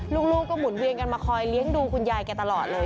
ลูกก็หมุนเวียนกันมาคอยเลี้ยงดูคุณยายแกตลอดเลย